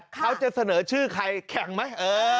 เขาจะเสนอชื่อใครแข่งไหม